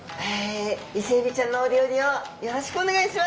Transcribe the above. イセエビちゃんのお料理をよろしくお願いします！